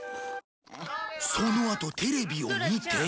そのあとテレビを見て